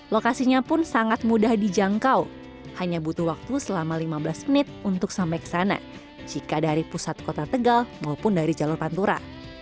lokasinya pun sangat mudah dijangkau hanya butuh waktu selama lima belas menit untuk sampai ke sana jika dari pusat kota tegal maupun dari jalur pantura